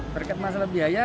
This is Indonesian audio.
berkat masalah biaya